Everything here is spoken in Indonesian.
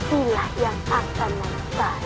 jadi akulah yang paling cocok untuk menjadi raja bajajara